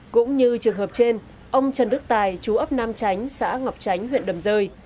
cũng như trường hợp trên ông trần đức tài chú ấp nam chánh huyện đầm dây